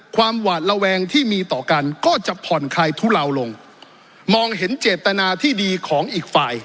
หวาดระแวงที่มีต่อกันก็จะผ่อนคลายทุเลาลงมองเห็นเจตนาที่ดีของอีกฝ่าย